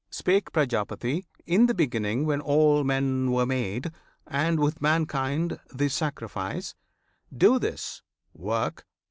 Spake Prajapati In the beginning, when all men were made, And, with mankind, the sacrifice "Do this! Work!